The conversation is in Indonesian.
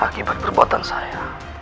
akibat perbuatan saya